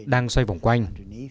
đang xoay vòng quanh